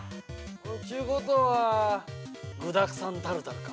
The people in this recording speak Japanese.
◆ちゅうことは具だくさんタルタルか。